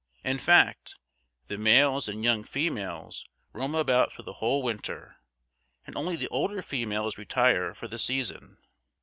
In fact, the males and young females roam about through the whole winter, and only the older females retire for the season.